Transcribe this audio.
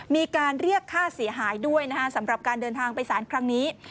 มีการเรียกค่าเสียหายด้วยนะคะสำหรับการเดินทางไปสารครั้งนี้